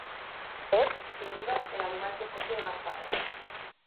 Es, sin duda, el animal que posee más patas.